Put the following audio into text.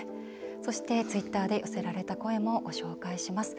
そして、ツイッターで寄せられた声もご紹介します。